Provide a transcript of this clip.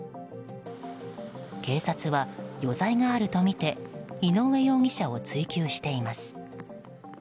警察は、余罪があるとみて井上容疑者を追及しています。